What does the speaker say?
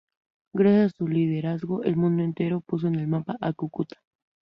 Gracias a su liderazgo, el mundo entero puso en el mapa a Cúcuta.